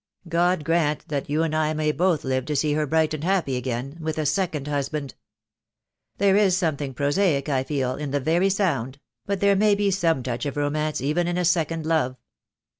God grant that you and I may both live to see her bright and happy again — with a second husband. There is something prosaic, I feelj 9* 132 THE DAY WILL COME. in the very sound; but there may be some touch of romance even in a second love."